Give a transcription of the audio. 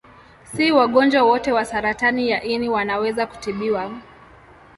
Si wagonjwa wote wa saratani ya ini wanaweza kutibiwa.